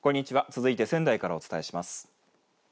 続いて仙台からお伝えします。